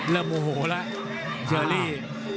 เริ่มโอโหละเชอรี่